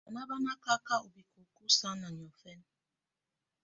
Banà bá nà kaka ù bikoko sana niɔ̀fɛ̀na.